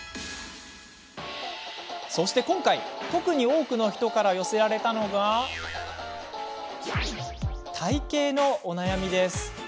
そして今回、特に多くの人から寄せられたのが体型のお悩みです。